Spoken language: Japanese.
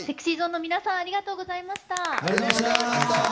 ＳｅｘｙＺｏｎｅの皆さんありがとうございました。